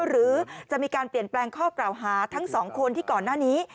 หรือจะมีการเปลี่ยนแปลงข้อกล่าวหาทั้งสองคนที่ก่อนหน้านี้